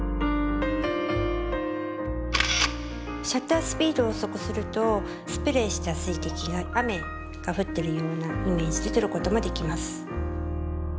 シャッタースピードを遅くするとスプレーした水滴が雨が降ってるようなイメージで撮る事もできます。